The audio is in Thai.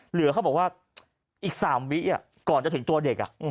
เหลือเขาบอกว่าอีก๓วิก่อนจะถึงตัวเด็ก